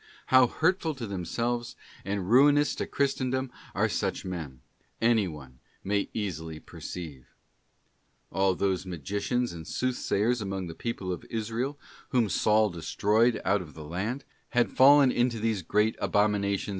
How hurtful to themselves, and ruinous to Christendom are such men, any one may easily perceive. All those magicians and soothsayers among the people of Israel, whom Saul destroyed out of the land,* had fallen into these great abominations and * 1 Kings xxviii.